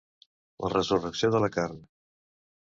La resurrecció de la carn.